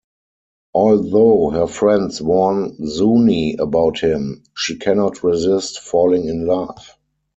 Although her friends warn Zooni about him, she cannot resist falling in love.